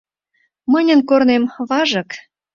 Мыньын корнем — важык.